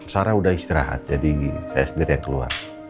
sarah udah istirahat jadi saya sendiri yang keluar